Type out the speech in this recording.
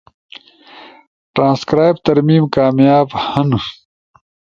ٹرانسکرائب ترمیم کامیاب ہن